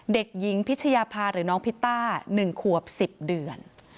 เด็กหญิงพิชยาภาหรือน้องพิตต้า๑ขวบ๑๐เดือน